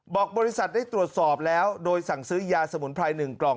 บริษัทได้ตรวจสอบแล้วโดยสั่งซื้อยาสมุนไพร๑กล่อง